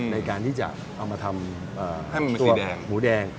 ในการที่จะเอามาทำตัวหมูแดง